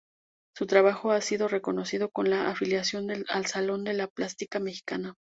Su trabajo ha sido reconocido con la afiliación al Salón de la Plástica Mexicana.